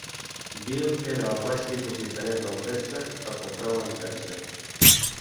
Bill era el baix tipus d'interès pel préstec per comprar un habitatge.